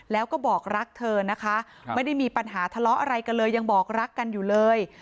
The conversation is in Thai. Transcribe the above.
แล้วก็บอกรักเธอนะคะไม่ได้มีปัญหาทะเลาะอะไรกันเลยยังบอกรักกันอยู่เลย